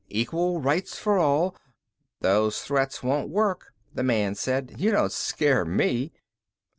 Equal rights for all " "These threats won't work," the man said. "You don't scare me."